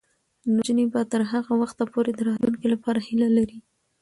نجونې به تر هغه وخته پورې د راتلونکي لپاره هیله لري.